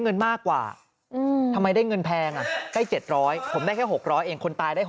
เงินมากกว่าทำไมได้เงินแพงได้๗๐๐ผมได้แค่๖๐๐เองคนตายได้๖๐